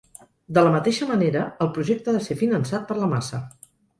De la mateixa manera, el projecte ha de ser finançat per la massa.